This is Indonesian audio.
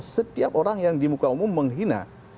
setiap orang yang di muka umum menghina